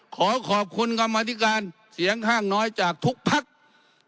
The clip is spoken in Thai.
ขอขอบคุณกรรมธิการเสียงข้างน้อยจากทุกพัก